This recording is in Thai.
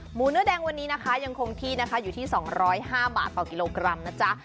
หมูเนื้อแดงวันนี้นะคะยังคงที่นะคะอยู่ที่๒๐๕บาทต่อกิโลกรัมนะจ๊ะ